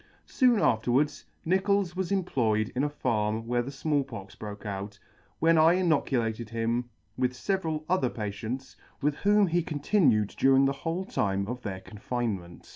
Some years afterwards Nichols was employed in a farm where the Small Pox broke out, when I inoculated him with feveral other [ 23 ] other patients, with whom he continued during the whole time of their confinement.